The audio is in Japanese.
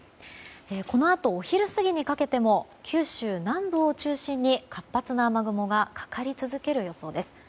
このあと、お昼過ぎにかけても九州南部を中心に活発な雨雲がかかり続ける予想です。